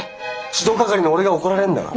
指導係の俺が怒られるんだから。